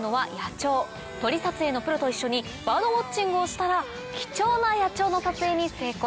鳥撮影のプロと一緒にバードウオッチングをしたら貴重な野鳥の撮影に成功。